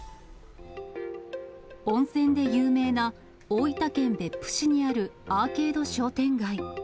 温泉で有名な大分県別府市にあるアーケード商店街。